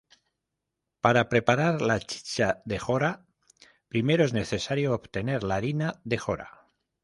Para preparar la chicha de jora primero es necesario obtener la harina de jora.